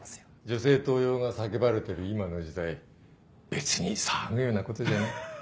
女性登用が叫ばれてる今の時代別に騒ぐようなことじゃない。